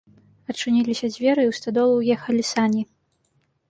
Адчыніліся дзверы, і ў стадолу ўехалі сані.